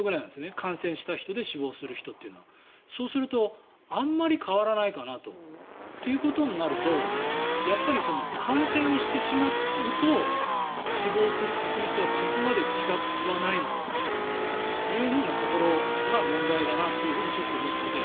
感染した人で死亡する人というのは。ということは、あんまり変わらないかなということになるとやっぱり感染をしてしまうと死亡する確率はそこまで違わないのかなというところが問題だなとちょっと思ってて。